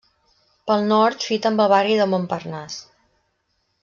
Pel nord, fita amb el barri de Montparnasse.